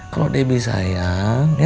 kalau debik sayang